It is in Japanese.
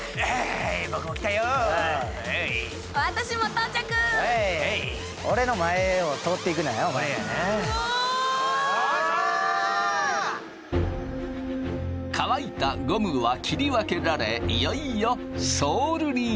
乾いたゴムは切り分けられいよいよソールになる。